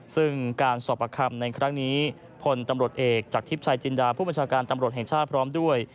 ซึ่งการสอบประคำในครั้งนี้พลตำรวจเอกจากทิพย์ชายจินดาผู้บัญชาการตำรวจแห่งชาติพร้อมด้วย